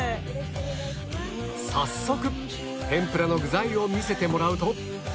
早速天ぷらの具材を見せてもらうと